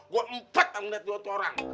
gue empat ngeliat dua orang